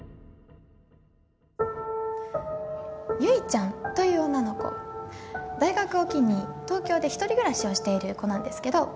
ゆいちゃんという女の子大学を機に東京で１人暮らしをしている子なんですけど。